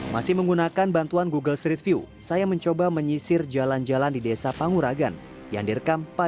masih menggunakan bantuan google street view saya mencoba menyisir jalan jalan di desa panguragan yang direkam pada